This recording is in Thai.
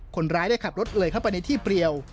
คนร้ายได้ขับรถเลยเข้าไปในที่เปรียว